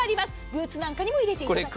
ブーツなんかにも入れていただけます。